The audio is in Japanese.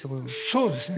そうですね。